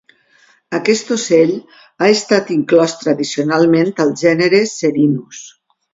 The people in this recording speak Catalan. "Aquest ocell ha estat inclòs tradicionalment al gènere ""Serinus""."